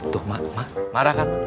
tuh ma ma marah kan